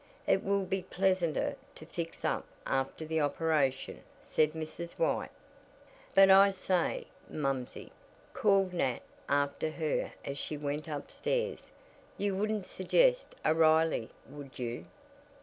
It will be pleasanter to fix up after the operation," said Mrs. White. "But I say, momsey," called Nat after her as she went upstairs, "you wouldn't suggest a 'Riley,' would you?"